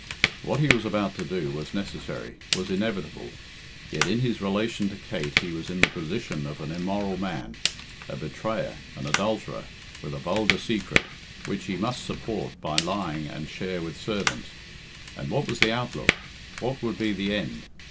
What he was about to do was necessary, was inevitable, yet in his relation to Kate he was in the position of an immoral man, a betrayer, an adulterer, with a vulgar secret, which he must support by lying and share with servants. And what was the outlook? What would be the end?